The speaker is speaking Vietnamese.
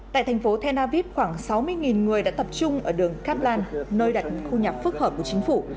tại thành phố tel aviv khoảng sáu mươi người đã tập trung ở đường kaplan nơi đặt khu nhà phức hợp của chính phủ